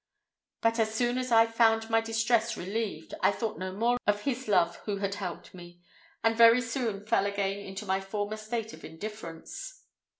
But as soon as I found my distress relieved, I thought no more of His love who had helped me, and very soon fell again into my former state of indifference.